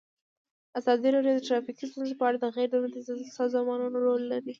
ازادي راډیو د ټرافیکي ستونزې په اړه د غیر دولتي سازمانونو رول بیان کړی.